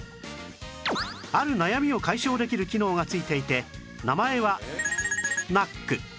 ある悩みを解消できる機能が付いていて名前はナック